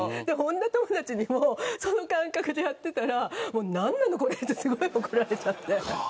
女友達にもその感覚でやっていたら何なのこれとすごい怒られちゃった。